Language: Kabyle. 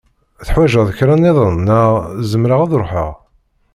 Teḥwaǧeḍ kra niḍen neɣ zemreɣ ad ruḥeɣ?